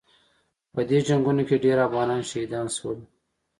په دې جنګونو کې ډېر افغانان شهیدان شول.